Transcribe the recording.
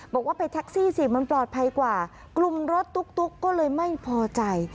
บอกว่าไปแท็กซี่สิมันปลอดภัยกว่ากลุ่มรถตุ๊กก็เลยไม่พอใจ